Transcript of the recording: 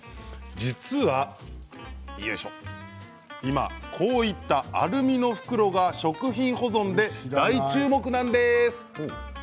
実は今こういったアルミの袋が食品保存で大注目なんです。